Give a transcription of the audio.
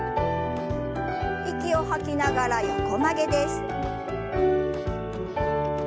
息を吐きながら横曲げです。